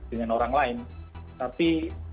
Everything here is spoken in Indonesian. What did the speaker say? dengan orang lain tapi